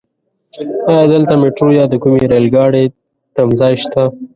ايا دلته ميټرو يا د کومې رايل ګاډی تمځای شته؟